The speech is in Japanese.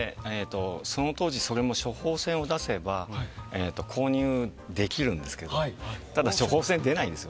その当時、処方箋を出せば購入できるんですけどただ、処方箋が出ないんです。